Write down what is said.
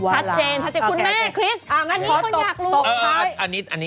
ชัดเจน